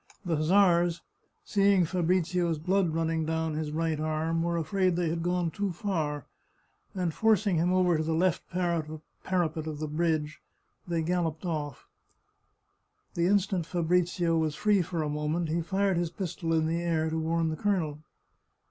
The hussars, seeing Fabrizio's blood running down his right arm, were afraid they had gone too far, and, forcing him over to the left parapet of the bridge, they galloped off. The instant Fabrizio was free for a moment he fired his pistol in the air to warn the colonel.